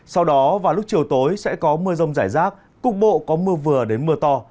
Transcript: sau đó vào lúc chiều tối sẽ có mưa rông rải rác cục bộ có mưa vừa đến mưa to